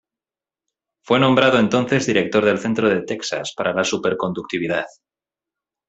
Fue nombrado entonces director del Centro de Texas para la Superconductividad.